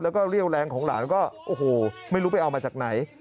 แล้วก็เรี่ยวแรงของหลานก็โอ้โหไม่รู้ไปเอามาจากไหน